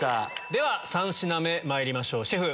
では３品目まいりましょうシェフ